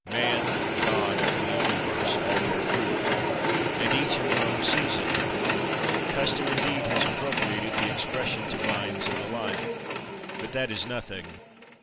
10. Man, God, and the Universe, all bear fruit; and each in their own season. Custom indeed has appropriated the expression to vines and the like; but that is nothing.